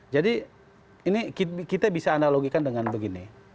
jadi ini kita bisa analogikan dengan begini